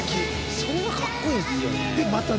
それが格好いいですよね。